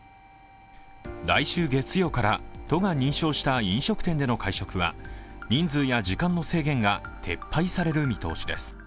来週月曜日から都が認証した飲食店での会食は人数や時間の制限が撤廃される見通しです。